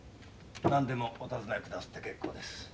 何でもお尋ねくだすって結構です。